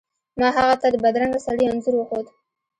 ما هغه ته د بدرنګه سړي انځور وښود.